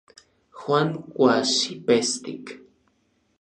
Juan kuaxipestik.